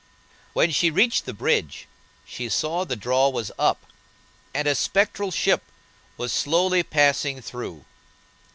When she reached the bridge she saw the draw was up, and a spectral ship was slowly passing through.